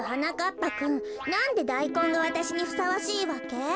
ぱくんなんでダイコンがわたしにふさわしいわけ？